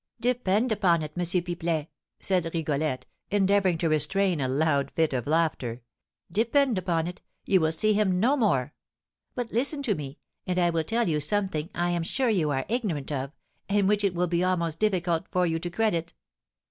"Depend upon it, M. Pipelet," said Rigolette, endeavouring to restrain a loud fit of laughter, "depend upon it, you will see him no more. But listen to me, and I will tell you something I am sure you are ignorant of and which it will be almost difficult for you to credit.